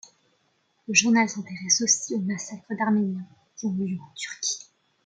Le journal s'intéresse aussi aux massacres d'Arméniens qui ont lieu en Turquie.